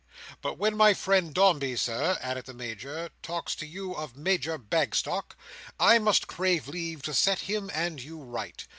"But when my friend Dombey, Sir," added the Major, "talks to you of Major Bagstock, I must crave leave to set him and you right.